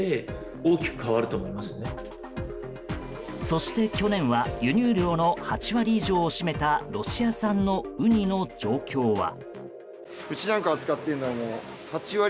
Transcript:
そして、去年は輸入量の８割以上を占めたロシア産のウニの状況は。